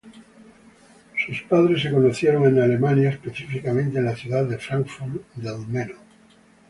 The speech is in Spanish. Sus padres se conocieron en Alemania, específicamente en la ciudad de Frankfurt del Meno.